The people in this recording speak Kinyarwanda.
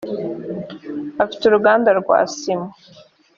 afite uruganda rwa sima.